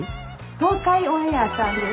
東海オンエアさんです。